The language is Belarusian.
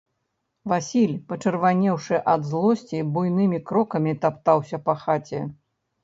Васіль, пачырванеўшы ад злосці, буйнымі крокамі таптаўся па хаце.